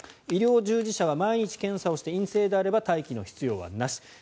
医療従事者は毎日検査をして陰性であれば待機の必要はなし。